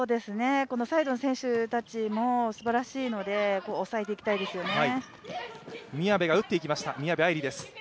サイドの選手たちもすばらしいので、抑えていきたいですよね。